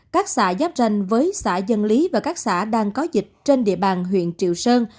các xã giáp ranh với xã dân lý và các xã đang có dịch trên địa bàn huyện triệu sơn